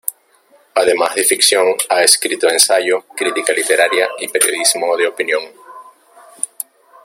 Además de ficción ha escrito ensayo, crítica literaria y periodismo de opinión.